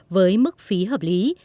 với mức phí hợp lý